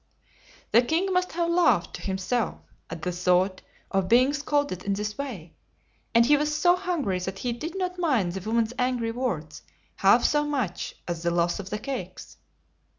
The king must have laughed to himself at the thought of being scolded in this way; and he was so hungry that he did not mind the woman's angry words half so much as the loss of the cakes.